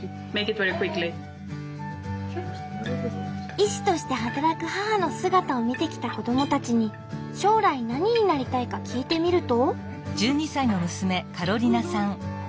医師として働く母の姿を見てきた子供たちに将来何になりたいか聞いてみると。